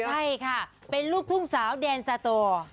ใช่ค่ะเป็นลูกทุ่งสาวแดนซาโต